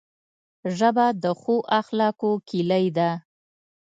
ژبه د ښو اخلاقو کلۍ ده